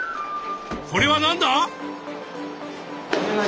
これは何だ？